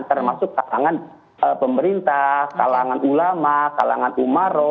termasuk kalangan pemerintah kalangan ulama kalangan umaro